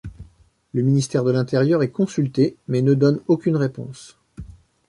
Le ministère de l'Intérieur est consulté mais ne donne aucune réponse.